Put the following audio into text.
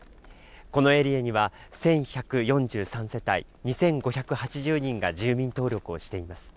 このエリアには１１４３世帯２５８０人が住民登録をしています。